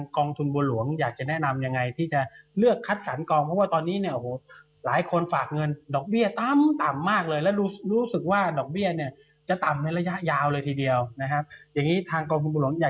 คุณบริการกคุณบุหรฝ์อยากจะแนะนำเป็นไงเกี่ยวกับหน้าลงทุนครับ